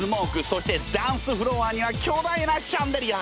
そしてダンスフロアには巨大なシャンデリア！